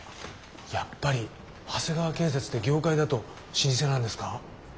やっぱり長谷川建設って業界だと老舗なんですか？